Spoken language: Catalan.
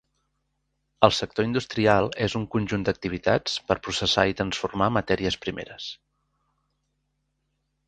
El sector industrial és un conjunt d’activitats per processar i transformar matèries primeres.